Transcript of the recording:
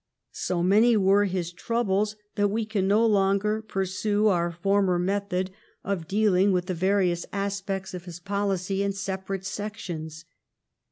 So man} were his troubles, that we can no longer pursue our former method of dealing with N 178 EDWARD I chap, x the various aspects of his policy in separate sections.